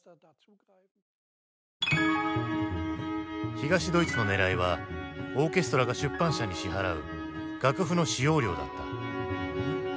東ドイツのねらいはオーケストラが出版社に支払う楽譜の使用料だった。